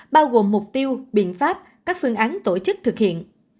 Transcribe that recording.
bao gồm mục tiêu biện pháp các phương án tổ chức thực hiện